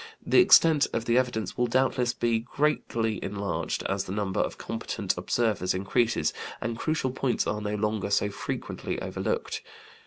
The extent of the evidence will doubtless be greatly enlarged as the number of competent observers increases, and crucial points are no longer so frequently overlooked.